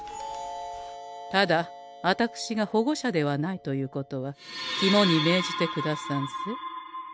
ただあたくしが保護者ではないということはきもにめいじてくださんせ。